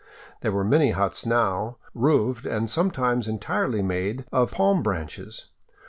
There were many huts now, roofed and sometimes entirely made of palm branches.